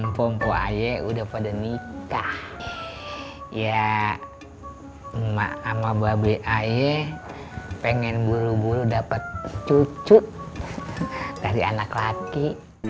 empuk emuk ayah udah pada nikah ya emak ama babi ayah pengen buru buru dapat cucu dari anak laki